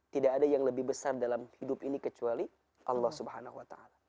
tidak ada yang lebih besar dalam hidup ini kecuali allah swt